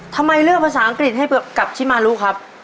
ทำไมเลือกภาษาอังกฤษให้กับชิมารุครับ